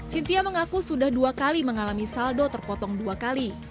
sintia mengaku sudah dua kali mengalami saldo terpotong dua kali